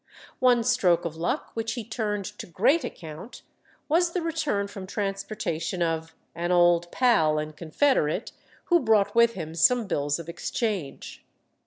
One stroke of luck which he turned to great account was the return from transportation of an old "pal" and confederate, who brought with him some bills of exchange.